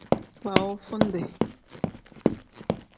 Baavundi.